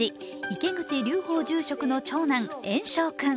池口龍法住職の長男・縁生君。